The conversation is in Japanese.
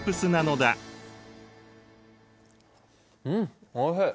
うんおいしい！